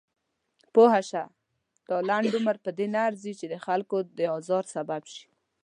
پوهه شه! دا لنډ عمر پدې نه ارزي چې دخلکو د ازار سبب شئ.